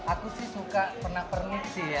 aku sih suka pernak pernik sih ya